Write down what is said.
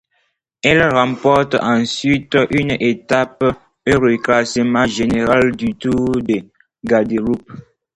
Il remporte ensuite une étape et le classement général du Tour de Guadeloupe.